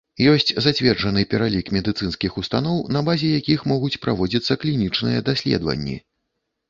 Ёсць зацверджаны пералік медыцынскіх устаноў, на базе якіх могуць праводзіцца клінічныя даследаванні.